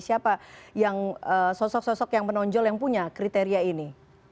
siapa yang sosok sosok yang menonjol yang punya kriteria ini